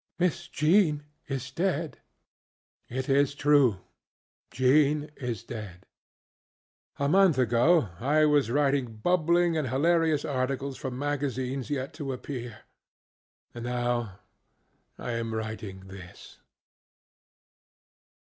ŌĆ£MISS JEAN IS DEAD! ŌĆØ It is true. Jean is dead. A month ago I was writing bubbling and hilarious articles for magazines yet to appear, and now I am writingŌĆöthis.